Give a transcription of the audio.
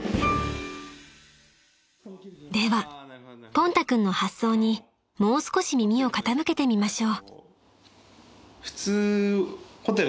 ［ではポンタ君の発想にもう少し耳を傾けてみましょう］